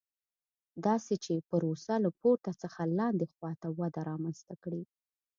داسې چې پروسه له پورته څخه لاندې خوا ته وده رامنځته کړي.